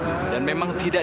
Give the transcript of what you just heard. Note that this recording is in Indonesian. bukan saya mau tarik